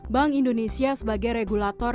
bank indonesia sebagai regulator